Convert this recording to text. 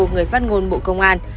người phát ngôn bộ công an